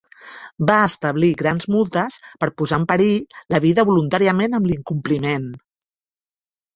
Va establir grans multes per posar en perill la vida voluntàriament amb l'incompliment.